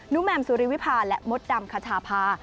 แมมสุริวิพาและมดดำคชาพา